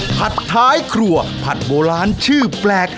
ท้ายครัวผัดโบราณชื่อแปลก